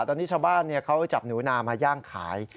ตอนนี้ชาวบ้านเขาจับหนูนามาย่างขาย